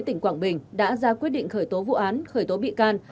tỉnh quảng bình đã ra quyết định khởi tố vụ án khởi tố bị can